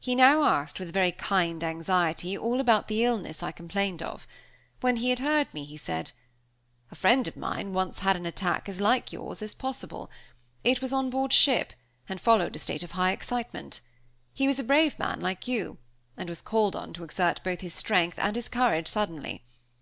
He now asked with a very kind anxiety all about the illness I complained of. When he had heard me, he said: "A friend of mine once had an attack as like yours as possible. It was on board ship, and followed a state of high excitement. He was a brave man like you; and was called on to exert both his strength and his courage suddenly.